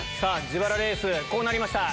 自腹レースこうなりました。